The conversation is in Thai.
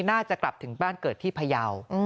น่าจะกลับถึงบ้านเกิดที่พยาว